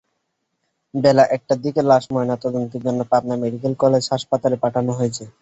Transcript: বেলা একটার দিকে লাশ ময়নাতদন্তের জন্য পাবনা মেডিকেল কলেজ হাসপাতালে পাঠানো হয়েছে।